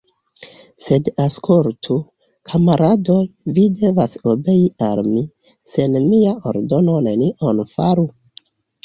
Sed aŭskultu, kamaradoj, vi devas obei al mi, sen mia ordono nenion faru?